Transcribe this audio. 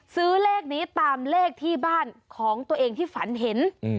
ซื้อเลขนี้ตามเลขที่บ้านของตัวเองที่ฝันเห็น